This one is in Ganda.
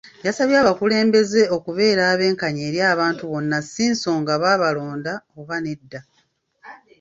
Yasabye abakulembeze okubeera abenkanya eri abantu bonna si nsonga baabalonda oba nedda.